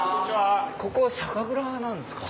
ここ酒蔵なんですか？